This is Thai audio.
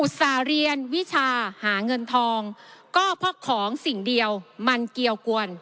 ส่าห์เรียนวิชาหาเงินทองก็เพราะของสิ่งเดียวมันเกี่ยวกวน